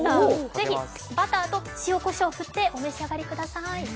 ぜひバターと塩こしょうを振ってお召し上がりください。